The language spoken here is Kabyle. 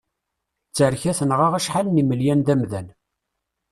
Tterka tenɣa acḥal n imelyan d amdan.